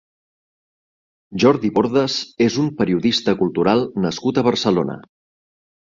Jordi Bordes és un periodista cultural nascut a Barcelona.